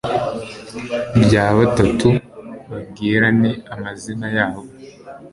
rya batatu, babwirane amazina yabo